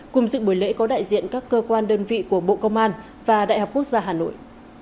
cùng dự buổi lễ có đại diện các cơ quan đơn vị của bộ công an và đại học quốc gia hà nội